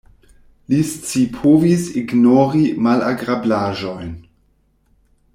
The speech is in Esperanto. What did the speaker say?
Li scipovis ignori malagrablaĵojn.